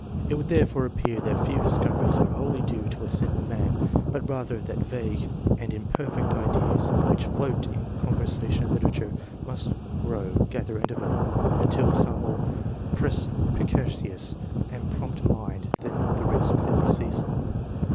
It would therefore appear that few discoveries are whoUy due to a single man, but rather that vague and imperfect ideas, which float in conversation and literature, must grow, gather, and develop, until some more perspi cacious and promi)t mind than the rest clearly sees them.